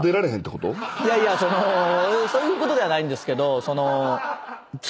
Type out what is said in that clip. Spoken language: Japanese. いやいやそのそういうことではないんですけど。